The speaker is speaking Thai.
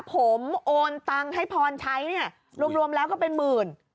ผมโอนตังค์ให้พรใช้เนี่ยรวมแล้วก็เป็นหมื่น